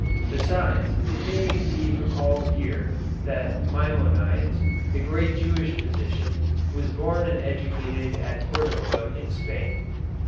Besides, it may be recalled here that Maimonides, the great Jewish physician, was born and educated at Cordova, in Spain.